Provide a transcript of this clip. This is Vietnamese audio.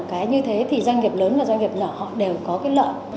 cái như thế thì doanh nghiệp lớn và doanh nghiệp nhỏ họ đều có cái lợi